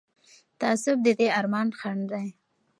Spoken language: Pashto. تعصب د دې ارمان خنډ دی